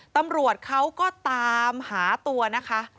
ตำรวจเขาก็ตามหาตัวนะคะ